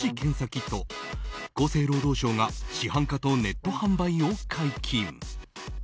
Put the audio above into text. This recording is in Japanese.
キット厚生労働省が市販化とネット販売を解禁。